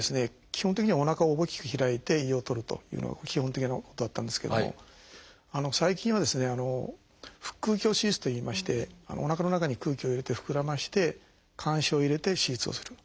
基本的にはおなかを大きく開いて胃を取るというのが基本的なことだったんですけども最近は腹腔鏡手術といいましておなかの中に空気を入れて膨らませて鉗子を入れて手術をする。